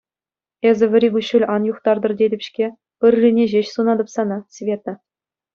Эсӗ вӗри куҫҫуль ан юхтартӑр тетӗп-ҫке, ыррине ҫеҫ сунатӑп сана, Света.